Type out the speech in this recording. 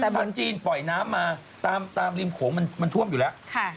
พันธุ์จีนปล่อยน้ำมาตามริมโขงมันท่วมอยู่แล้ว